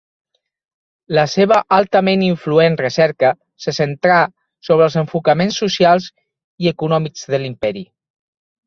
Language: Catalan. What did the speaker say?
La seva altament influent recerca se centrà sobre els enfocaments socials i econòmics de l'imperi.